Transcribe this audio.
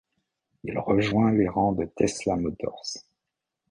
Il rejoint les rangs de Tesla Motors.